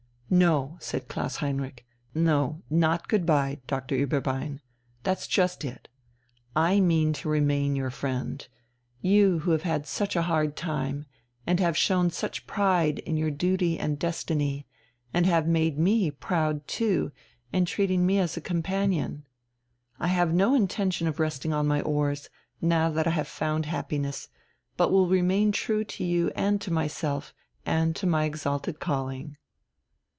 "No," said Klaus Heinrich. "No, not good bye, Doctor Ueberbein. That's just it. I mean to remain your friend, you who have had such a hard time, and have shown such pride in your duty and destiny, and have made me proud too in treating me as a companion. I have no intention of resting on my oars, now that I have found happiness, but will remain true to you and to myself and to my exalted calling...."